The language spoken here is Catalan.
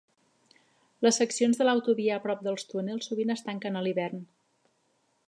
Les seccions de l'autovia a prop dels túnels sovint es tanquen a l'hivern.